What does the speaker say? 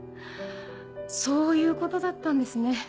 そういうことだったんですね。